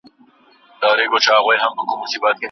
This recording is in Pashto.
تاسي تل د خپلي روغتیا قدر کوئ.